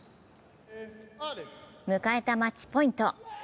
迎えたマッチポイント。